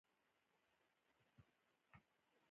د خپلي مېني له چنارونو